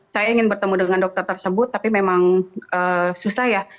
saya ingin bertemu dengan dokter tersebut tapi memang susah ya